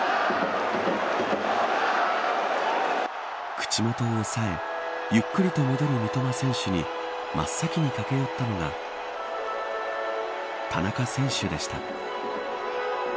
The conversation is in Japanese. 口元を押さえゆっくりと戻る三笘選手に真っ先に駆け寄ったのが田中選手でした。